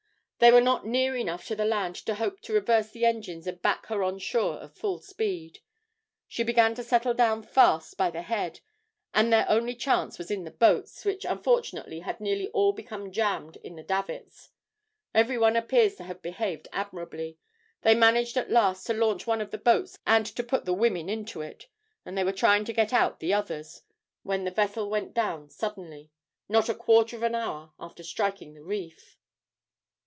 They were not near enough to the land to hope to reverse the engines and back her on shore at full speed. She began to settle down fast by the head, and their only chance was in the boats, which unfortunately had nearly all become jammed in the davits. Every one appears to have behaved admirably. They managed at last to launch one of the boats, and to put the women into it; and they were trying to get out the others, when the vessel went down suddenly, not a quarter of an hour after striking the reef.'